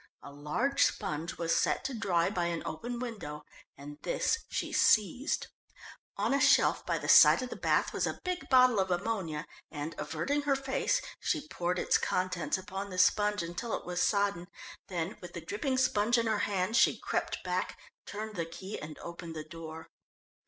A large sponge was set to dry by an open window, and this she seized; on a shelf by the side of the bath was a big bottle of ammonia, and averting her face, she poured its contents upon the sponge until it was sodden, then with the dripping sponge in her hand, she crept back, turned the key and opened the door.